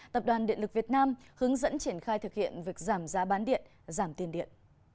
tập đoàn điện lực việt nam hướng dẫn triển khai thực hiện việc giảm giá bán điện giảm tiền điện